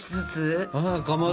あかまど。